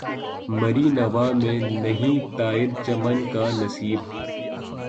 مری نوا میں نہیں طائر چمن کا نصیب